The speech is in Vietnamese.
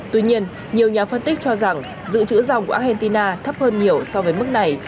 tuy nhiên nhiều nhà phân tích cho rằng dự trữ dòng của argentina thấp hơn nhiều so với mức này